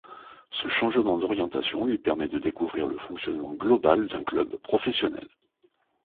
Ce changement d'orientation lui permet de découvrir le fonctionnement global d'un club professionnel.